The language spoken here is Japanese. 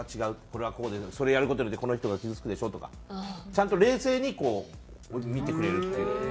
これはこうでそれやる事によってこの人が傷つくでしょ？」とかちゃんと冷静にこう見てくれるっていう。